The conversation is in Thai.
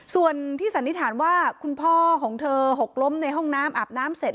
ส่วนที่สันนิษฐานว่าคุณพ่อของเธอหกล้มในห้องน้ำอาบน้ำเสร็จ